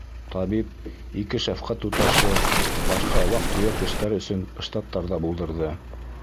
Табип, ике шәфҡәт туташы, башҡа ваҡ-төйәк эштәр өсөн штаттар ҙа булдырҙы.